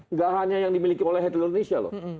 tidak hanya yang dimiliki oleh hotel indonesia loh